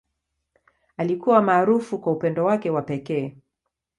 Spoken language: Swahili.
Alikuwa maarufu kwa upendo wake wa pekee.